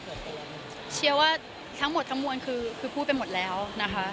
ก็เชียร์ว่าทั้งหมดทั้งมวลคือพูดไปหมดแล้วนะคะ